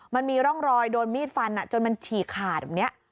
มันมีร่องรอยโดนมีดฟันจนมันฉีกขาดแบบนี้